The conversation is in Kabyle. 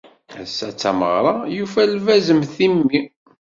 Ass-a d tameɣra, yufa lbaz m timmi.